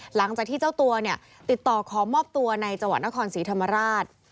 หลังจากที่เจ้าตัวเนี่ยติดต่อขอมอบตัวในจังหวัดนครศรีธรรมราช